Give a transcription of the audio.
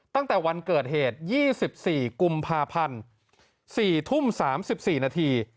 ตั้งแต่วันเกิดเหตุ๒๔กุมภาพันธ์๔ทุ่ม๓๔นาที